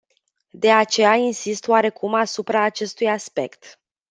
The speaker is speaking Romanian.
De aceea insist oarecum asupra acestui aspect.